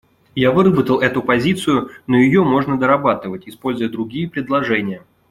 Я выработал эту позицию, но ее можно дорабатывать, используя другие предложения.